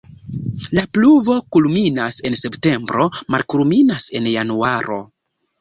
La pluvo kulminas en septembro, malkulminas en januaro.